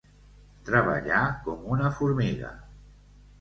Treballar com una formiga.